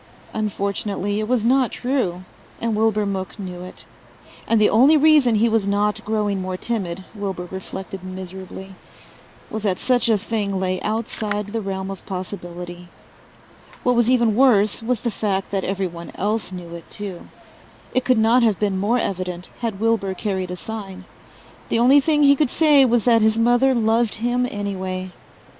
Unfortunately it was not true and Wilbur Mook knew it. And the only reason he was not growing more timid, Wilbur reflected miserably, was that such a thing lay outside the realm of possibility. What was even worse was the fact that everyone else knew it too. It could not have been more evident had Wilbur carried a sign. The only thing he could say was that his mother loved him anyway.